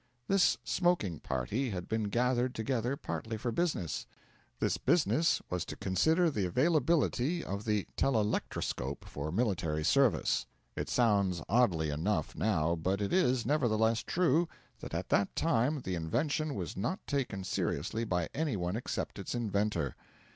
This smoking party had been gathered together partly for business. This business was to consider the availability of the telelectroscope for military service. It sounds oddly enough now, but it is nevertheless true that at that time the invention was not taken seriously by any one except its inventor.